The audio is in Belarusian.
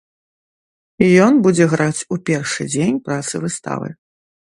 Ён будзе граць у першы дзень працы выставы.